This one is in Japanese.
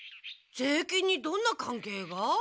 税金にどんな関係が？